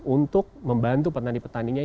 untuk membantu petani petaninya